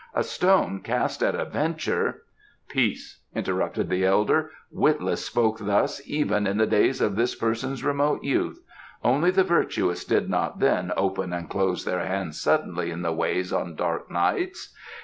A stone cast at a venture " "Peace!" interrupted the elder. "Witless spoke thus even in the days of this person's remote youth only the virtuous did not then open and close their hands suddenly in the Ways on dark nights.